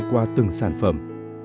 qua từng sản phẩm